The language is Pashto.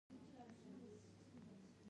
خېټور وويل اخ ولې موږ پوه نه شو.